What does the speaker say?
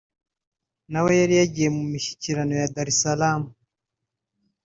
nawe yari yagiye mu mishyikirano ya Dar es Salam